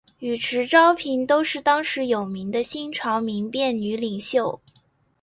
与迟昭平都是当时有名的新朝民变女领袖。